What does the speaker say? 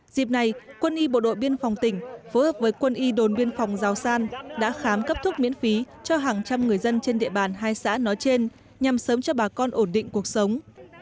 dịp này quân y bộ đội biên phòng tỉnh phối hợp với quân y đồn biên phòng giáo san đã khám cấp thuốc miễn phí cho hàng trăm người dân trên địa bàn hai xã nói trên nhằm sớm cho bà con ổn định cuộc sống